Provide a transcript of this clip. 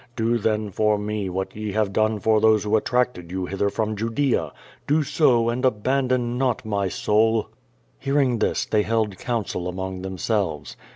Do then for me what ye have done for those who attracted you hither from Judea. Do so and abandon not my ^oul." Hearing this, they held counsel among themselves.